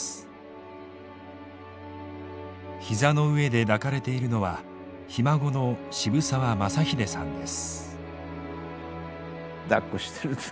膝の上で抱かれているのはひ孫の渋沢雅英さんです。